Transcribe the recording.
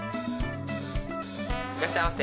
いらっしゃいませ。